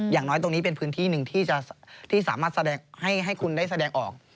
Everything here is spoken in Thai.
อย่างน้อยตรงนี้เป็นพื้นที่หนึ่งที่สามารถแสดงให้คุณได้แสดงออก